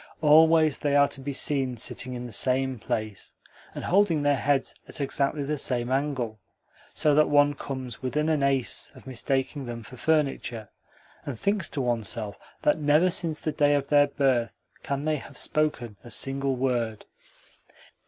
Always they are to be seen sitting in the same place, and holding their heads at exactly the same angle, so that one comes within an ace of mistaking them for furniture, and thinks to oneself that never since the day of their birth can they have spoken a single word.